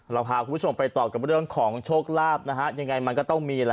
เราพาคุณผู้ชมไปต่อกับเรื่องของโชคลาภนะฮะยังไงมันก็ต้องมีแล้ว